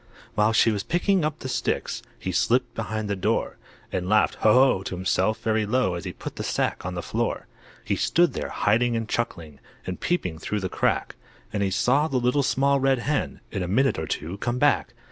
While she was picking up the sticks He slipped behind the door, And laughed "Ho! Ho!" to himself, very low, As he put the sack on the floor. He stood there, hiding and chuckling, And peeping through the crack, And he saw the Little Small Red Hen, In a minute or two, come back.